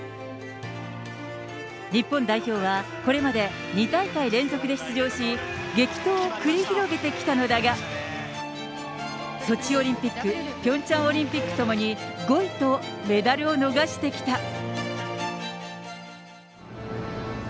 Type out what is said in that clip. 日本代表はこれまで２大会連続で出場し、激闘を繰り広げてきたのだが、ソチオリンピック、ピョンチャンオリンピックともに５位と、メダルを逃してきた。